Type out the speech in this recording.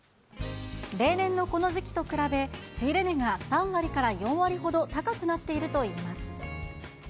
例年のこの時期と比べ、仕入れ値が３割から４割ほど高くなっているといいます。